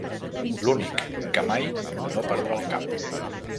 L'únic que mai no perdrà el cap.